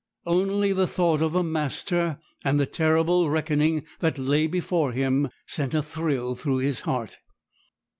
Only the thought of the master, and the terrible reckoning that lay before him, sent a thrill through his heart.